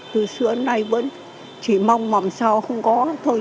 từ xưa nay vẫn chỉ mong mong sao không có thôi